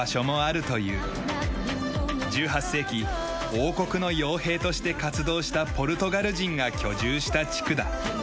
１８世紀王国の傭兵として活動したポルトガル人が居住した地区だ。